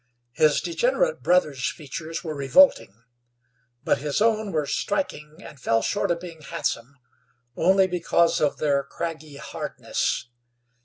His degenerate brother's features were revolting; but his own were striking, and fell short of being handsome only because of their craggy hardness.